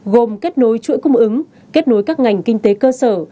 gồm kết nối chuỗi cung ứng kết nối các ngành kinh tế cơ sở